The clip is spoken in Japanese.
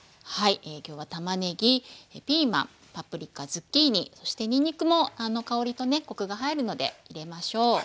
今日はたまねぎピーマンパプリカズッキーニそしてにんにくも香りとねコクが入るので入れましょう。